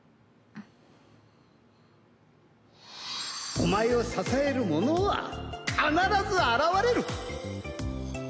お前を支える者は必ず現れる！